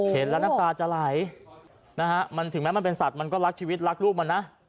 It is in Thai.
เห็นแล้วน้ำตาจะไหลนะฮะมันถึงแม้มันเป็นสัตว์มันก็รักชีวิตรักลูกมันนะ